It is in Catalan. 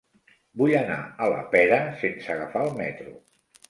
Vull anar a la Pera sense agafar el metro.